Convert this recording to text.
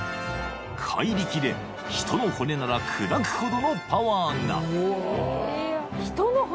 ［怪力で人の骨なら砕くほどのパワーが］